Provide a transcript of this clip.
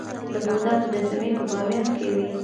د بودا مجسمې په بامیان کې وې